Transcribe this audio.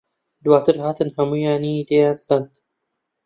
دواتر هاتن هەموویانی لێیان سەند.